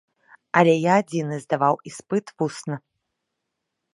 Але я адзіны здаваў іспыт вусна.